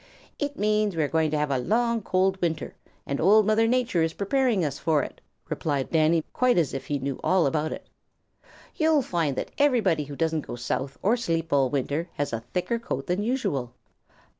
"It means we are going to have a long, hard, cold winter, and Old Mother Nature is preparing us for it," replied Danny, quite as if he knew all about it. "You'll find that everybody who doesn't go south or sleep all winter has a thicker coat than usual.